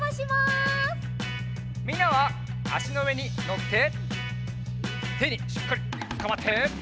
みんなはあしのうえにのっててにしっかりつかまって。